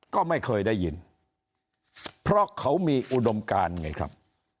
ก็ไม่เคยได้ยินเพราะเขามีอุดมการไงครับ